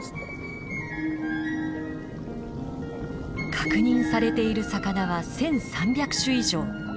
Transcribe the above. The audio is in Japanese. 確認されている魚は１，３００種以上。